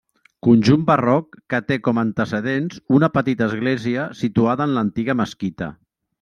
Conjunt barroc que té com antecedents una petita església situada en l'antiga mesquita.